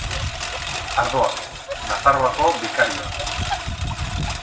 Ardoa: Nafarroako bikarioa.